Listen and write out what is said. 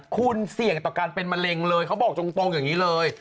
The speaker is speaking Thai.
คุณเสี่ยงต่อการเป็นมะเร็งเลยเขาบอกตรงอย่างนี้เลย